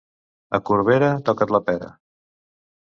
A Corbera, toca't la pera.